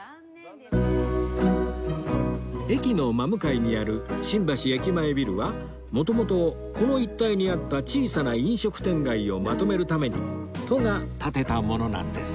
駅の真向かいにある新橋駅前ビルはもともとこの一帯にあった小さな飲食店街をまとめるために都が建てたものなんです